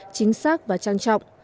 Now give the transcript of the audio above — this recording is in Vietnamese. chính xác và trang trọng